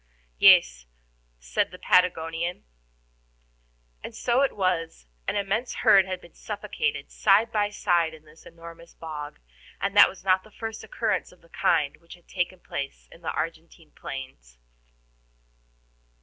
"Yes," said the Patagonian. And so it was. An immense herd had been suffocated side by side in this enormous bog, and this was not the first occurrence of the kind which had taken place in the Argentine plains.